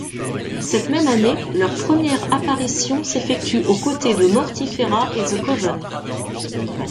Cette même année, leur première apparition s'effectue aux côtés de Mortifera et The Coven.